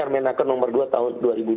menaker nomor dua tahun dua ribu dua puluh dua